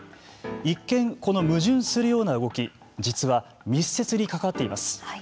一見、この矛盾するような動き実は密接に関わっています。